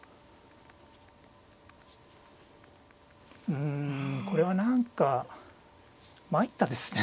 うんこれは何か参ったですね。